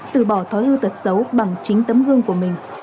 từ bỏ thói hư tật xấu bằng chính tấm gương của mình